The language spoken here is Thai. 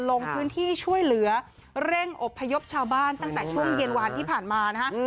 ลงพื้นที่ช่วยเหลือเร่งอบพยพชาวบ้านตั้งแต่ช่วงเย็นวานที่ผ่านมานะฮะ